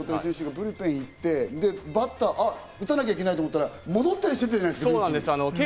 大谷選手がブルペンに行って、あっ、打たなきゃいけないと思ったら戻ったりしてたじゃないです